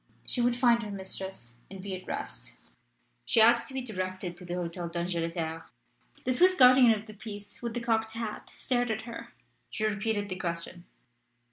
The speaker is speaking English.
She would find her mistress and be at rest. She asked to be directed to the Hotel d'Angleterre. The Swiss guardian of the peace with the cocked hat stared at her. She repeated the question.